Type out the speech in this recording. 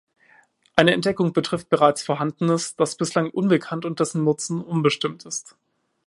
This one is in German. Eine Entdeckung betrifft bereits Vorhandenes, das bislang unbekannt und dessen Nutzen unbestimmt ist.